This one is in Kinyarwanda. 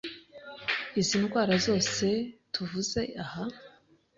izi ndwara zose tuvuze aha